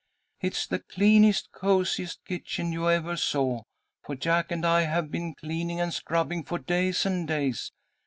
It's the cleanest, cosiest kitchen you ever saw, for Jack and I have been cleaning and scrubbing for days and days.